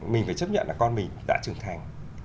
mình phải chấp nhận là con mình đã trưởng thành